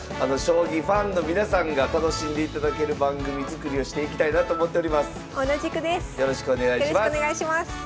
将棋ファンの皆さんが楽しんでいただける番組作りをしていきたいなと思っております。